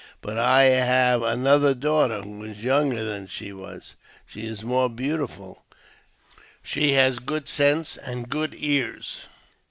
But I have another daughter, who is younger than she wag. She is more beauti ful ; she has good sense and good ears.